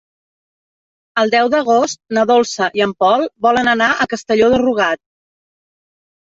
El deu d'agost na Dolça i en Pol volen anar a Castelló de Rugat.